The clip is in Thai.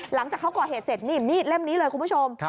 หลังจากเขาก่อเหตุเสร็จนี่มีดเล่มนี้เลยคุณผู้ชม